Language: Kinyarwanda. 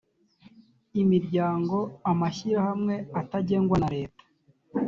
imiryango amashyirahamwe atagengwa na leta